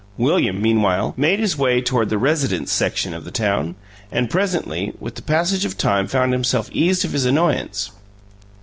William, meanwhile, made his way toward the "residence section" of the town, and presently with the passage of time found himself eased of his annoyance.